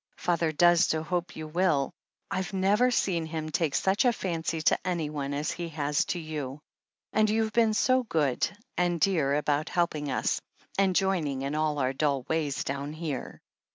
Father does so hope you will — I've never seen him take such a fancy to anyone as he has to you. And you've been so good and dear about helping us, and joining in all our dull ways down here